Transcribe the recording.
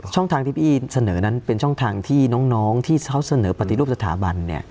ช่องทางที่พี่เสนอนั้นเป็นช่องทางที่น้องที่เขาเสนอปฏิรูปสถาบัน